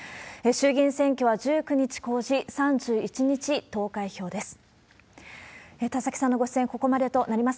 衆議院選挙は１９日公示、３１日投開票です。